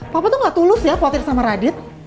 papa tuh gak tulus ya khawatir sama radit